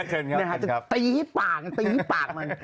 เช่นครับครับตีปากกันปากมัน